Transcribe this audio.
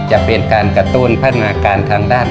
จะเป็นการกระตุ้นพัฒนาการทางด้าน